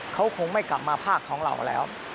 เขาคงไม่กลับมาภาคของเราแล้ว